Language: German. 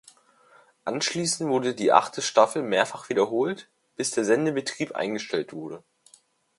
Anschließend wurde die achte Staffel mehrfach wiederholt, bis der Sendebetrieb eingestellt wurde.